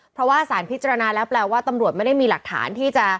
เพราะว่าสารพิจารณาแล้วแปลว่าตำรวจไม่ได้มีหลักฐานที่จะ